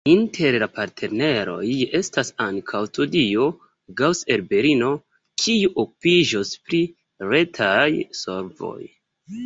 Inter la partneroj estas ankaŭ Studio Gaus el Berlino, kiu okupiĝos pri retaj solvoj.